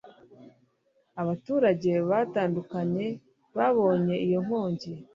Abaturage batandukanye babonye iyo nkongi